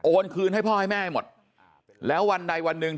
คืนให้พ่อให้แม่ให้หมดแล้ววันใดวันหนึ่ง